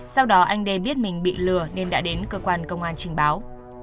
sau đó anh đê biết mình bị lừa nên đã đến cơ quan công an trình báo